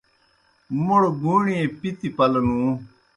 موْڑ گُوݨیئے پِتیْ پلہ نُوں۔